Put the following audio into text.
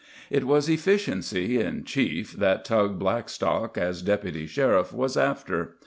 It was efficiency, in chief, that Tug Blackstock, as Deputy Sheriff, was after.